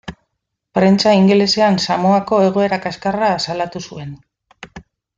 Prentsa ingelesean Samoako egoera kaskarra salatu zuen.